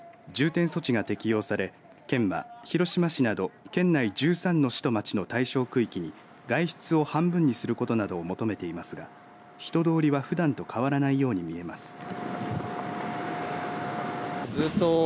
重点措置が適用され県は、広島市など県内１３の市と町を対象区域に外出を半分にすることなどを求めていますが人通りは、ふだんと変わらないように見えます。